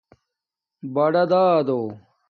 بڑادادو